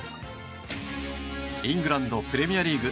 イングランドプレミアリーグ。